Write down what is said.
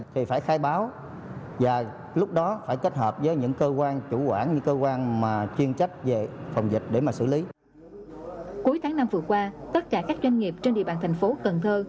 cuối tháng năm vừa qua tất cả các doanh nghiệp trên địa bàn thành phố cần thơ